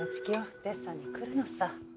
デッサンに来るのさ